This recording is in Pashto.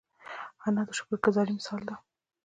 انا د شکر ګذاري مثال ده